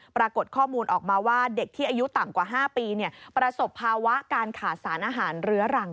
ปรากฏข้อมูลออกมาว่าเด็กที่อายุต่ำกว่า๕ปีประสบภาวะการขาดสารอาหารเรื้อรัง